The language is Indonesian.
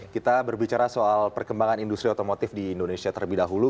kita berbicara soal perkembangan industri otomotif di indonesia terlebih dahulu